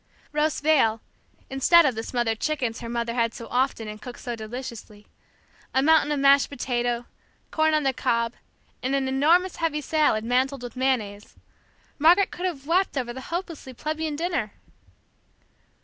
Roast veal, instead of the smothered chickens her mother had so often, and cooked so deliciously, a mountain of mashed potato corn on the cob, and an enormous heavy salad mantled with mayonnaise Margaret could have wept over the hopelessly plebeian dinner!